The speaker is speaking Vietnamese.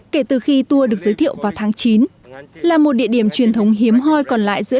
kể từ khi tour được giới thiệu vào tháng chín là một địa điểm truyền thống hiếm hoi còn lại giữa